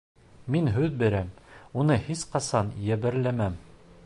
Мин һүҙ бирәм: уны һис ҡасан йәберләмәм!